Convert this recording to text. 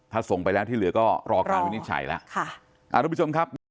ถ้าส่งไปแล้วที่เหลือก็รอการวินิจฉัยแล้วค่ะอ่าทุกผู้ชมครับ